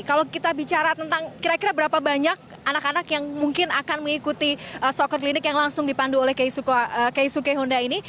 kalau kita bicara tentang kira kira berapa banyak anak anak yang mungkin akan mengikuti soccer clinic yang langsung dipandu oleh keisuke honda ini